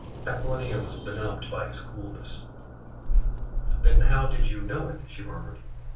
Aquilina was benumbed by his coolness. "Then how did you know it?" she murmured.